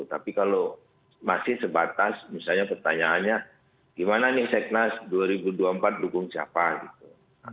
tapi kalau masih sebatas misalnya pertanyaannya gimana nih seknas dua ribu dua puluh empat dukung siapa gitu